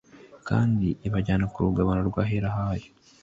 Kandi ibajyana ku rugabano rw’ahera hayo